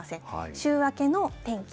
週明けの天気